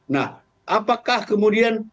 nah apakah kemudian